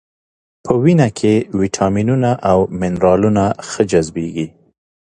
په وینه کې ویټامینونه او منرالونه ښه جذبېږي.